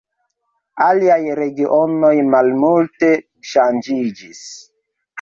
Aliaj regionoj malmulte ŝanĝiĝis.